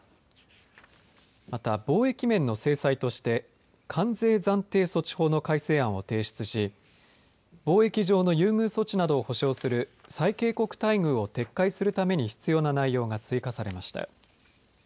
また、貿易面の制裁として関税暫定措置法の改正案を提出し貿易上の優遇措置などを保障する最恵国待遇を撤回するために必要な内容が追加されました。